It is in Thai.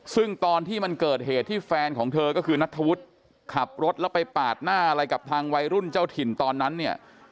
ซึ่งตอนที่มันเกิดเหตุที่แฟนของเธอก็คือนัทธวุฒิขับรถแล้วไปปาดหน้าอะไรกับทางวัยรุ่นเจ้าถิ่นตอนนั้นเนี่ย